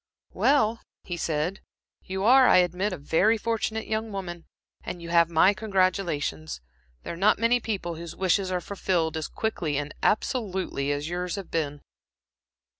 "Well," he said "you are, I admit, a very fortunate young woman, and you have my congratulations. There are not many people whose wishes are fulfilled, as quickly and absolutely as yours have been."